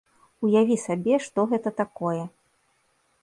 Уяві сабе, што гэта такое.